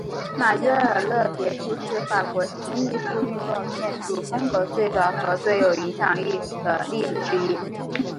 马约尔勒别墅是法国新艺术运动建筑风格最早和最有影响力的例子之一。